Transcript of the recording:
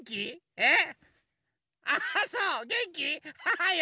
えっ？